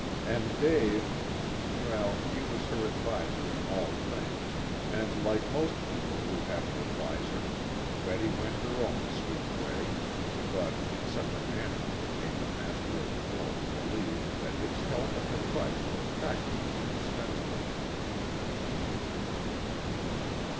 And Dave well, he was her adviser in all things, and like most people who have an adviser, Betty went her own sweet way, but in such a manner that made the master of the mills believe that his help and advice were practically indispensable to her.